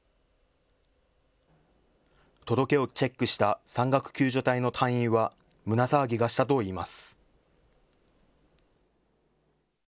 届けをチェックした山岳救助隊の隊員は胸騒ぎがしたといいます。